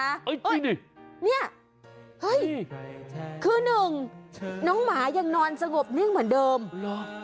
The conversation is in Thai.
เฮ้ยดิเนี่ยเฮ้ยคือหนึ่งน้องหมายังนอนสงบนิ่งเหมือนเดิมเหรอ